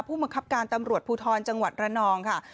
ผู้บังคับการตำรวจภูทรจังหวัดระนองค่ะ